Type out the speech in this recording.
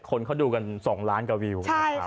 คนเขาดูกัน๒ล้านกว่าวิว